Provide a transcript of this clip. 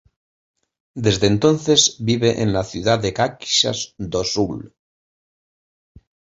Desde entonces vive en la ciudad de Caxias do Sul.